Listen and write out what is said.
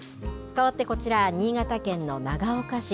かわってこちら、新潟県の長岡市。